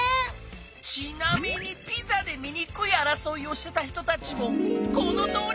ちなみにピザでみにくいあらそいをしてた人たちもこのとおり！